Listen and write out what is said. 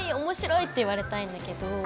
面白い！って言われたいんだけど。